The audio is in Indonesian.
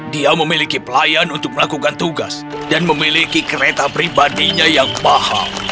dia memiliki pelayan untuk melakukan tugas dan memiliki kereta pribadinya yang paham